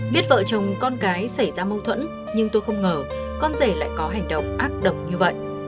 biết vợ chồng con gái xảy ra mâu thuẫn nhưng tôi không ngờ con rể lại có hành động ác độc như vậy